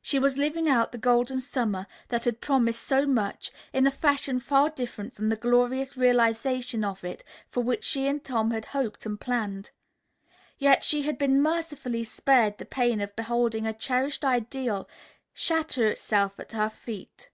She was living out the Golden Summer, that had promised so much, in a fashion far different from the glorious realization of it for which she and Tom had hoped and planned. Yet she had been mercifully spared the pain of beholding a cherished ideal shatter itself at her feet.